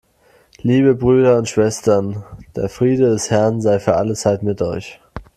Liebe Brüder und Schwestern, der Friede des Herrn sei für alle Zeit mit euch.